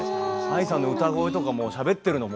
ＡＩさんの歌声とかしゃべってるの